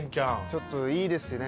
ちょっといいですね